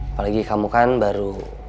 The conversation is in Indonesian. apalagi kamu kan baru